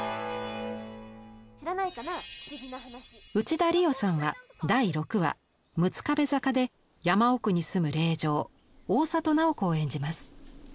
内田理央さんは第６話「六壁坂」で山奥に住む令嬢大郷楠宝子を演じます。